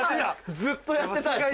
ずっとやってたい！